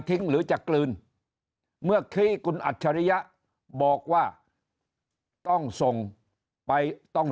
หรือจะกลืนเมื่อกี้คุณอัจฉริยะบอกว่าต้องส่งไปต้อง